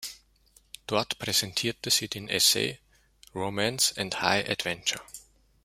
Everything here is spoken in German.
Dort präsentierte sie den Essay "Romance and High Adventure".